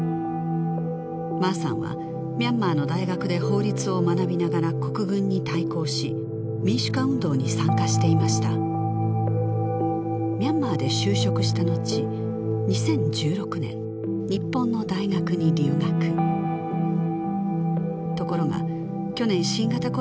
マーさんはミャンマーの大学で法律を学びながら国軍に対抗し民主化運動に参加していましたミャンマーで就職したのち２０１６年日本の大学に留学ところが去年新型コロナの影響で